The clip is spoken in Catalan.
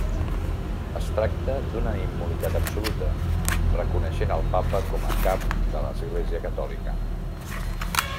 Es tracta d'una immunitat absoluta, reconeixent el Papa com a cap de l'Església Catòlica.